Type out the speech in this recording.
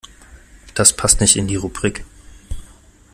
Das passt nicht in die Rubrik.